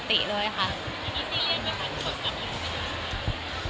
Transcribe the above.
ไม่ซีเรียสนะคะทุกคนสำคัญไหม